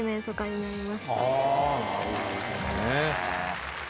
なるほどね。